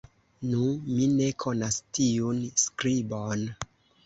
Nu! mi ne konas tiun skribon!